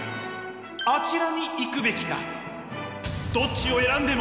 あちらに行くべきか？